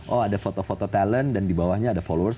oh ada foto foto talent dan dibawahnya ada followers